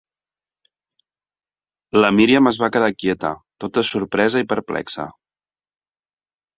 La Míriam es va quedar quieta, tota sorpresa i perplexa.